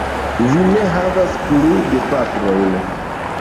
Vi ne havas plu gepatrojn.